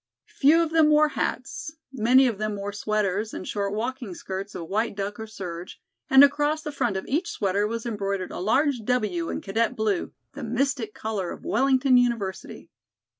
Few of them wore hats; many of them wore sweaters and short walking skirts of white duck or serge, and across the front of each sweater was embroidered a large "W" in cadet blue, the mystic color of Wellington University.